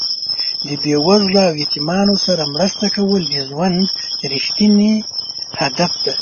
د بې وزلو او یتیمانو سره مرسته کول د ژوند رښتیني هدف دی.